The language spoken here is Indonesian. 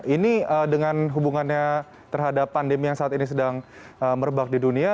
ini dengan hubungannya terhadap pandemi yang saat ini sedang merebak di dunia